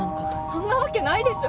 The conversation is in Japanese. そんなわけないでしょ！